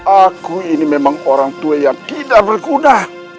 aku ini memang orang tua yang tidak berguna